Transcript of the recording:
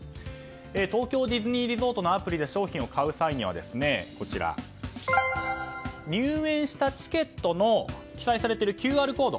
東京ディズニーリゾートのアプリで商品を買う際には入園したチケットに記載されているＱＲコード